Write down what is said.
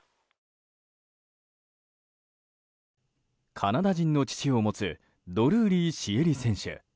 カナダ人の父を持つドルーリー朱瑛里選手。